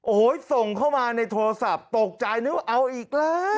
โอ้โหส่งเข้ามาในโทรศัพท์ตกใจนึกว่าเอาอีกแล้ว